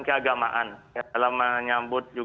keagamaan dalam menyambut